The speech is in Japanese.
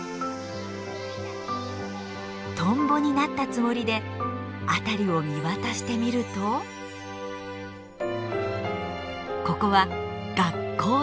トンボになったつもりで辺りを見渡してみるとここは学校の中！